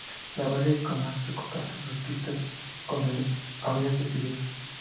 La Base de Komatsu comparte sus pistas con la aviación civil.